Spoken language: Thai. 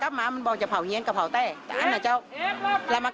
ทางที่ปลอกกระจวยไปเยอะละ